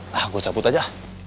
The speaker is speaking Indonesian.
nah gue cabut aja